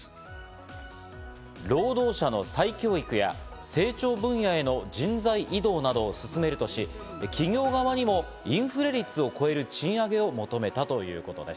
労働者の再教育や成長分野への人材移動などを進めるとし、企業側にもインフレ率を超える賃上げを求めたということです。